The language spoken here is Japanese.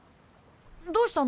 どうしたの？